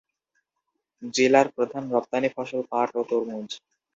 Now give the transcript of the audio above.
জেলার প্রধান রপ্তানি ফসল পাট ও তরমুজ।